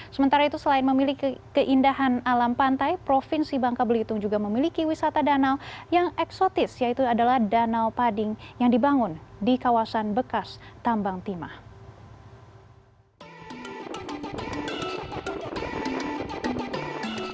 sementara itu selain memiliki keindahan alam pantai provinsi bangka belitung juga memiliki wisata danau yang eksotis yaitu adalah danau pading yang dibangun di kawasan bekas tambang timah